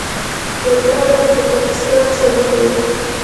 جګړه بايد د پاکستان سر وخوري.